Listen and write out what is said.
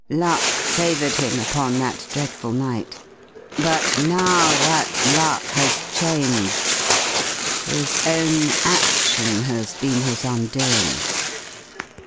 Luck favoured him upon that dreadful night but now that luck has changed. His own action has been his undoing.